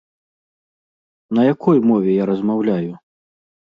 На якой мове я размаўляю?